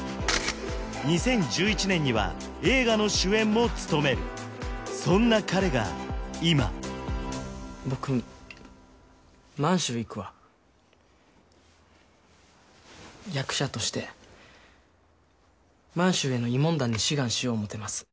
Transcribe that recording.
２０１１年には映画の主演も務めるそんな彼が今僕満州行くわ役者として満州への慰問団に志願しよう思うてます